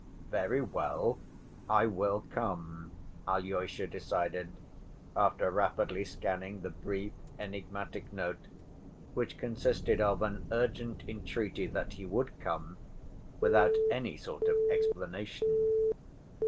"Very well, I will come," Alyosha decided, after rapidly scanning the brief, enigmatic note, which consisted of an urgent entreaty that he would come, without any sort of explanation.